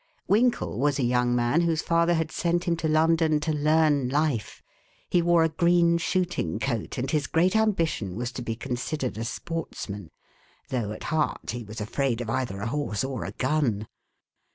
Winkle was a young man whose father had sent him to London to learn life; he wore a green shooting coat and his great ambition was to be considered a sportsman, though at heart he was afraid of either a horse or a gun.